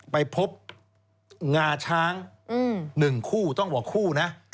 ไปพบงาช้าง๑คู่ต้องบอกคู่นะ